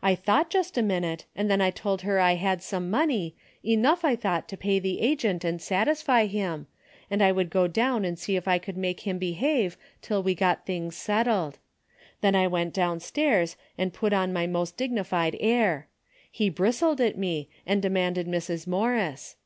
I thought just a minute and then I told her I had some money, enough I thought to pay the agent and satisfy him, and I would go down and see if I could make him behave till we got things settled. Then I went down stairs and put on my most dignified air. He bristled at me and demanded Mrs. Morris.